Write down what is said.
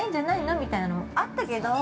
みたいなのもあったけど。